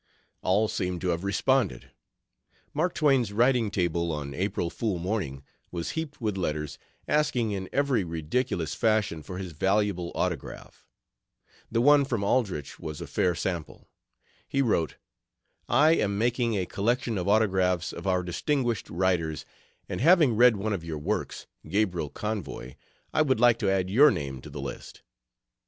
All seemed to have responded. Mark Twain's writing table on April Fool morning was heaped with letters, asking in every ridiculous fashion for his "valuable autograph." The one from Aldrich was a fair sample. He wrote: "I am making a collection of autographs of our distinguished writers, and having read one of your works, Gabriel Convoy, I would like to add your name to the list."